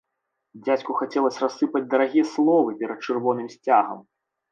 Дзядзьку хацелася рассыпаць дарагія словы перад чырвоным сцягам.